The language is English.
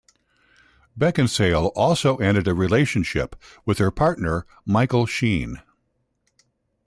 Beckinsale also ended a relationship with her partner Michael Sheen.